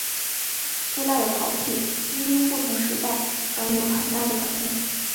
希腊的陶器因应不同时代而有很大的转变。